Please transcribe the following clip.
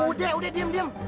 udah udah diam diam